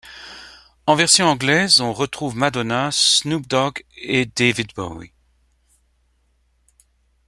En version anglaise, on retrouve Madonna, Snoop Dogg et David Bowie.